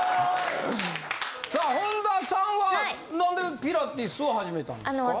さあ本田さんはなんでピラティスを始めたんですか？